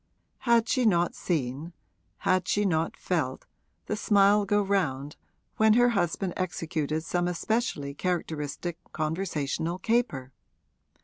Had she not seen had she not felt the smile go round when her husband executed some especially characteristic conversational caper?